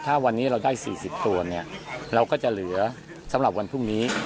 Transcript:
ถ้าวันนี้เราได้๔๐ตัวเนี่ยเราก็จะเหลือสำหรับวันพรุ่งนี้